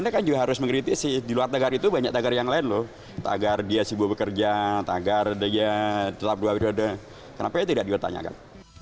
kenapa ya tidak dipertanyakan